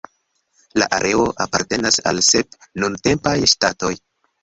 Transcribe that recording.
La areo apartenas al sep nuntempaj ŝtatoj.